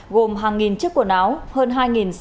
gồm hàng nghìn chiếc quần áo hơn hai sáu trăm linh